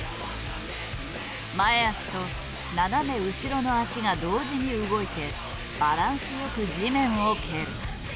前足と斜め後ろの足が同時に動いてバランスよく地面を蹴る。